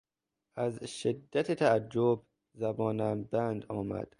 از شدت تعجب زبانم بند آمد.